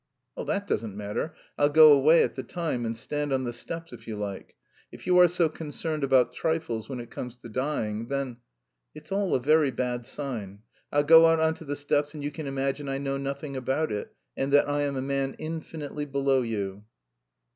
"Oh, that doesn't matter. I'll go away at the time and stand on the steps if you like. If you are so concerned about trifles when it comes to dying, then... it's all a very bad sign. I'll go out on to the steps and you can imagine I know nothing about it, and that I am a man infinitely below you."